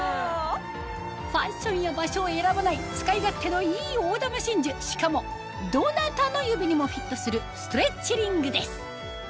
ファッションや場所を選ばない使い勝手のいい大珠真珠しかもどなたの指にもフィットするストレッチリングです